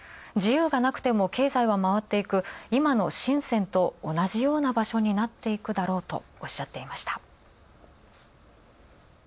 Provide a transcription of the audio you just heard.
自由がなくても、経済は回っていくいまの深セン同じような場所になっていくだろうとおっしゃっていました。